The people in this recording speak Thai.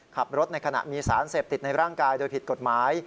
ขับรถในขณะมีสารเสพติดในร่างกายโดยผิดกฎหมาย